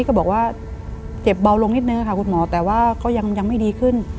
ก็บอกว่าเจ็บเบาลงนิดนึงค่ะคุณหมอแต่ว่าก็ยังไม่ดีขึ้น